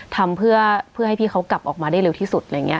ทำเพื่อให้พี่เขากลับออกมาได้เร็วที่สุด